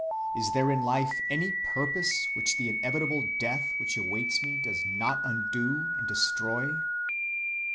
Is there in life any purpose which the inevitable death which awaits me does not undo and destroy?